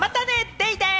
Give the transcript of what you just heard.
デイデイ！